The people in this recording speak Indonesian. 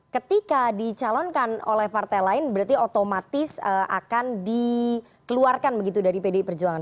ketika dicalonkan oleh partai lain berarti otomatis akan dikeluarkan begitu dari pdi perjuangan